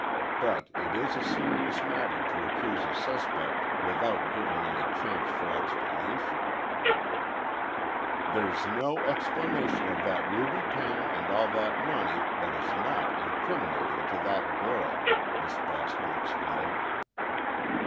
But it is a serious matter to accuse a suspect without giving any chance for explanation—" "There's no explanation of that ruby pin and all that money, that is not incriminating to that girl!" Miss Bascom exclaimed.